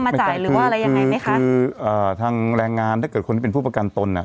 ไม่กลัวคลิกไม่กลัวคลิกคือทางแรงงานถ้าเกิดคนที่เป็นผู้ประกันตน